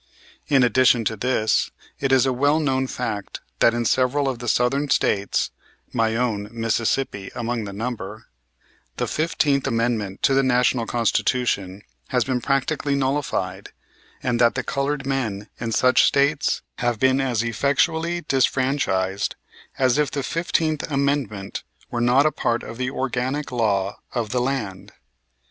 In addition to this it is a well known fact that in several of the Southern States, my own, Mississippi, among the number, the Fifteenth Amendment to the National Constitution has been practically nullified, and that the colored men in such States have been as effectually disfranchised as if the Fifteenth Amendment were not a part of the organic law of the land.